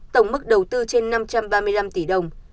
tổng mức đầu tư trên năm trăm ba mươi năm tỷ đồng